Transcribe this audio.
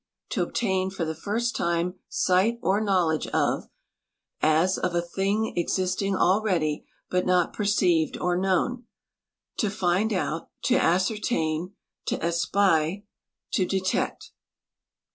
To obtain for the first time sight or knowledge of, as of a thing e.xisting already, but not perceived or known; to find out; to a,scer tain ; to espy ; to detect."